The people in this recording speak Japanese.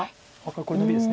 これノビです。